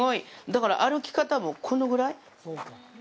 だから、歩き方もこのぐらい？